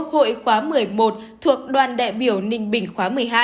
hội khóa một mươi một thuộc đoàn đại biểu ninh bình khóa một mươi hai